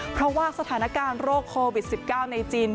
เพราะว่าสถานการณ์โรคโควิด๑๙ในจีน